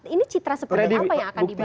ini citra seperti apa yang akan diberikan